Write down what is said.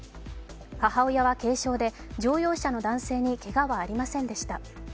母親は軽傷で、乗用車の男性にけがはありませんでした。